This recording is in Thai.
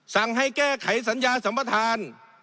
สั่งให้แก้ไขสัญญาสัมปทาน